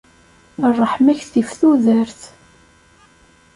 Ṛṛeḥma-k tif tudert.